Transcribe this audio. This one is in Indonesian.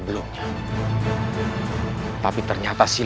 bahwa aku bukan awal